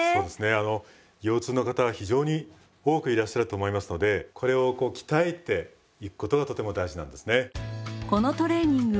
あの腰痛の方は非常に多くいらっしゃると思いますのでこれをこう鍛えていくことがとても大事なんですね。